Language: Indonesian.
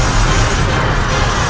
dan aku membutuhkan saripati manusia